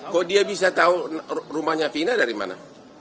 kok dia bisa tahu rumahnya vina dari mana